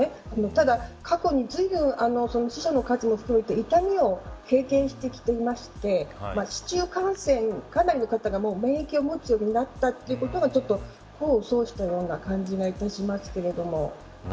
ただ過去にずいぶん死者の数も増えて痛みを経験してきていて市中感染、かなりの方が免疫を持つようになったということが功を奏したような感じがいたしますけれども。